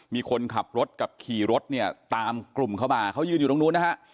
มีคนขับรถกับขี่รถเนี่ยตามกลุ่มเข้ามาเขายืนอยู่ตรงนู้นนะฮะ